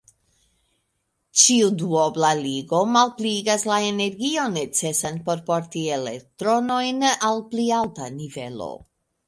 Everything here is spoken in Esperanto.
Ĉiu duobla ligo malpliigas la energion necesan por porti elektronojn al pli alta nivelo.